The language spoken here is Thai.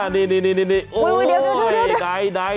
นี่